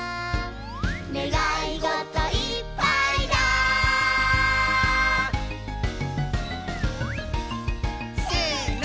「ねがいごといっぱいだ」せの！